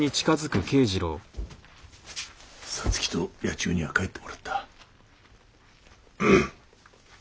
皐月と八千代には帰ってもらった。